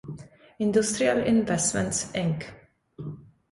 Industrial Investments Inc.